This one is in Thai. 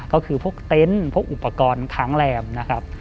ก็คือพวกเต็นต์พวกอุปกรณ์ค้างแรมนะครับ